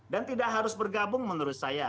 dan tidak harus bergabung menurut saya